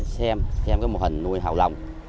xem cái mô hình nuôi hào lồng